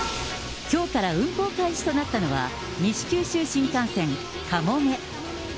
きょうから運行開始となったのは、西九州新幹線、かもめ。